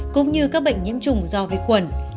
cũng như các bệnh nhiễm trùng do vi khuẩn